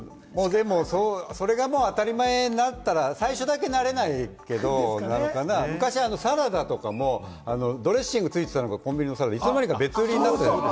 それが当たり前になったら最初だけ慣れないけれども、昔はサラダとかもドレッシングついていたのが、コンビニのサラダはいつの間にか別売りになったじゃない。